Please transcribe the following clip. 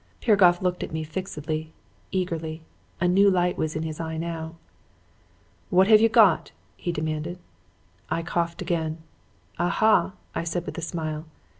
Piragoff looked at me fixedly, eagerly. A new light was in his eye now. "'What have you got?' he demanded. "I coughed again. 'Aha!' I said with a smile.